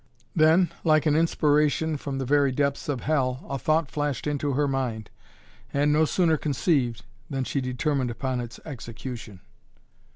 Then, like an inspiration from the very depths of Hell, a thought flashed into her mind, and, no sooner conceived, than she determined upon its execution.